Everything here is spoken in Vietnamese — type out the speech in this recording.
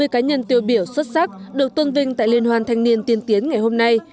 hai mươi cá nhân tiêu biểu xuất sắc được tôn vinh tại liên hoan thanh niên tiên tiến ngày hôm nay